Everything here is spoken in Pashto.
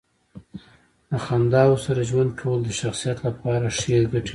د خنداوو سره ژوند کول د شخصیت لپاره ښې ګټې لري.